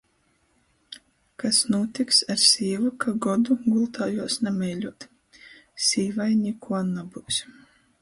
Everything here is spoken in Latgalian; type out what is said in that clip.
Kas nūtiks ar sīvu, ka godu gultā juos nameiļuot? Sīvai nikuo nabyus.